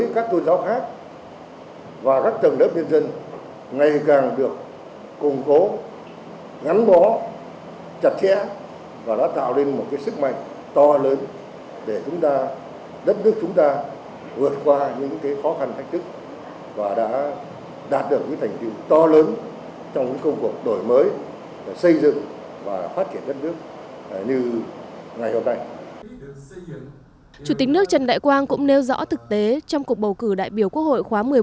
chủ tịch nước trần đại quang cũng nêu rõ thực tế trong cuộc bầu cử đại biểu quốc hội khóa một mươi bốn